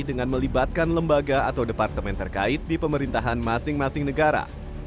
dengan melibatkan lembaga atau departemen terkait di pemerintahan masing masing negara